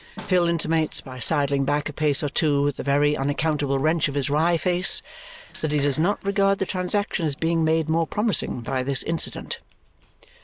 Phil intimates by sidling back a pace or two, with a very unaccountable wrench of his wry face, that he does not regard the transaction as being made more promising by this incident.